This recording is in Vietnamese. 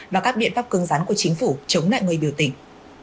và các biện pháp cưng rắn của chính phủ chống lại người biểu tình